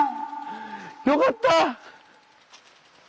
よかった！